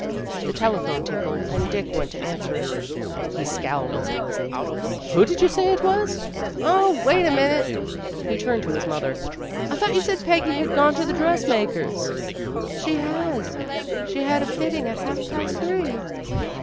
The telephone tinkled, and Dick went to answer it. He scowled as he listened. "Who did you say it was? Oh, wait a minute!" He turned to his mother. "I thought you said Peggy had gone to the dressmaker's." "She has. She had a fitting at half past three."